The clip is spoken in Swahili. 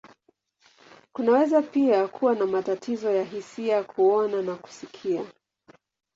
Kunaweza pia kuwa na matatizo ya hisia, kuona, na kusikia.